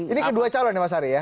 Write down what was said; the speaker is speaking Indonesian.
ini kedua calon ya mas ari ya